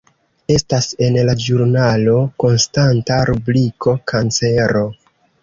Estas en la ĵurnalo konstanta rubriko Kancero.